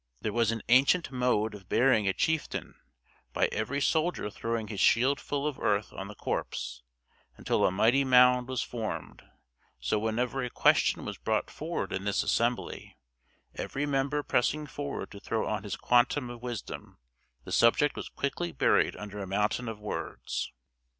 There was an ancient mode of burying a chieftain, by every soldier throwing his shield full of earth on the corpse, until a mighty mound was formed; so, whenever a question was brought forward in this assembly, every member pressing forward to throw on his quantum of wisdom, the subject was quickly buried under a mountain of words.